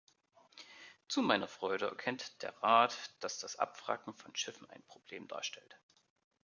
Zu meiner Freude erkennt der Rat, dass das Abwracken von Schiffen ein Problem darstellt.